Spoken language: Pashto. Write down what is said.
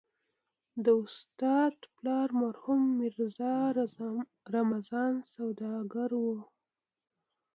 د استاد پلار مرحوم ميرزا رمضان سوداګر و.